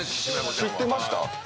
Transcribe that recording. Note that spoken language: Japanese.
知ってました？